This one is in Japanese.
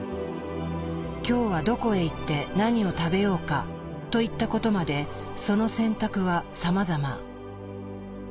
今日はどこへ行って何を食べようかといったことまでその選択はさまざま。